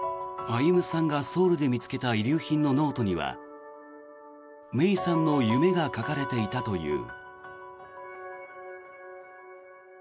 歩さんがソウルで見つけた遺留品のノートには芽生さんの夢が書かれていたという。